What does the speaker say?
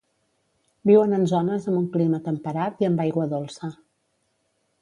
Viuen en zones amb un clima temperat i amb aigua dolça.